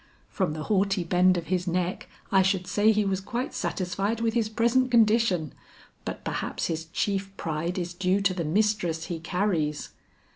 "From the haughty bend of his neck I should say he was quite satisfied with his present condition. But perhaps his chief pride is due to the mistress he carries."